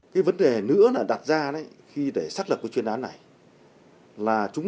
các loại đều là hàng